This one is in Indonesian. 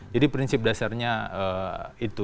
jadi prinsip dasarnya itu